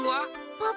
パパ！